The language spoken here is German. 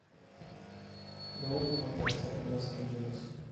Low wohnt derzeit in Los Angeles.